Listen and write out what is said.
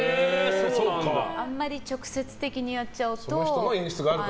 あんまり直接的にやっちゃうと。